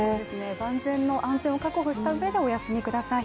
万全の安全を確保した上でお休みください。